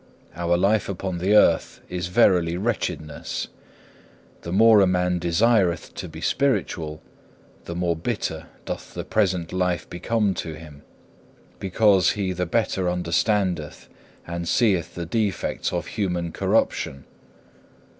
Our life upon the earth is verily wretchedness. The more a man desireth to be spiritual, the more bitter doth the present life become to him; because he the better understandeth and seeth the defects of human corruption.